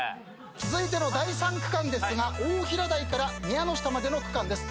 続いての第３区間ですが大平台から宮ノ下までの区間です。